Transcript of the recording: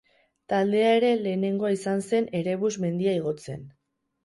Taldea ere lehenengoa izan zen Erebus mendia igotzen.